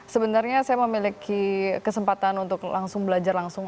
sebenarnya saya memiliki kesempatan untuk langsung belajar langsung